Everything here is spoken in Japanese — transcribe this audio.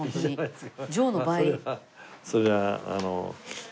それはあの。